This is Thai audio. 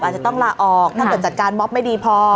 อาจจะต้องลาออกถ้าเกิดจัดการม็อบไม่ดีพอ